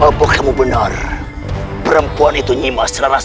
apakah kamu benar perempuan itu nimas rarasantau